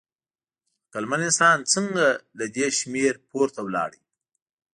عقلمن انسان څنګه له دې شمېر پورته ولاړ؟